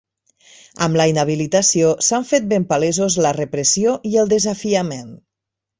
Amb la inhabilitació s'han fet ben palesos la repressió i el desafiament.